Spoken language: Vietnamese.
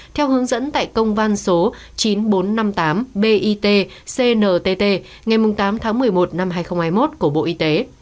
theo hướng dẫn tại công văn số chín nghìn bốn trăm năm mươi tám bit cntt ngày tám tháng một mươi một năm hai nghìn hai mươi một của bộ y tế